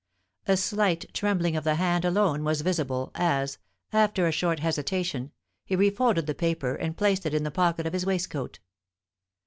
A slight trembling of the hand alone was visible, as, after a short hesitation, he refolded the paper and placed it in the pocket of his waistcoat.